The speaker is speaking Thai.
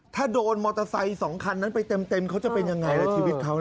ถ้าโดนมอเตอร์ไซค์๒คันนั้นไปเต็มเขาจะเป็นยังไงล่ะชีวิตเขา